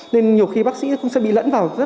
nên nhiều khi bác sĩ cũng sẽ bị lẫn vào